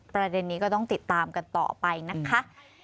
ประเด็นนี้ก็ต้องติดตามกันต่อไปนะคะ